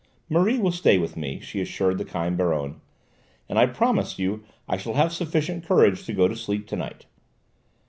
"Marie will stay with me," she assured the kind Baronne, "and I promise you I shall have sufficient courage to go to sleep to night."